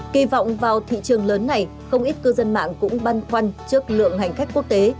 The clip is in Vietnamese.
kỳ vọng vào thị trường lớn này không ít cư dân mạng cũng băn khoăn trước lượng hành khách quốc tế